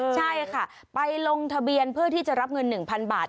ใช่ค่ะไปลงทะเบียนเพื่อที่จะรับเงิน๑๐๐๐บาท